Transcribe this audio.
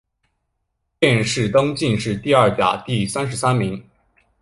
殿试登进士第二甲第三十三名。